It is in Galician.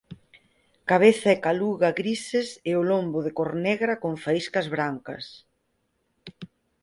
Cabeza e caluga grises e o lombo de cor negra con faíscas brancas.